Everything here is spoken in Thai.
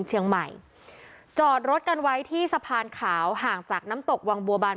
เชียงใหม่จอดรถกันไว้ที่สะพานขาวห่างจากน้ำตกวังบัวบาน